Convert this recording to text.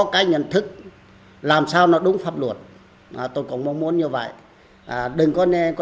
chỉ đến khi sự việc bị đẩy lên cao một mươi chín người trong buôn bị khởi tố bắt tặng giam